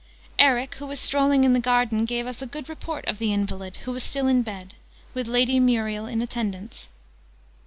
Eric, who was strolling in the garden, gave us a good report of the invalid, who was still in bed, with Lady Muriel in attendance.